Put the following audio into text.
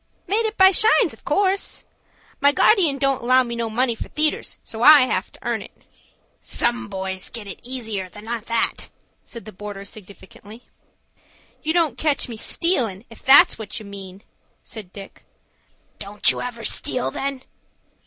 "Made it by shines, in course. My guardian don't allow me no money for theatres, so I have to earn it." "Some boys get it easier than that," said the porter significantly. "You don't catch me stealin', if that's what you mean," said Dick. "Don't you ever steal, then?"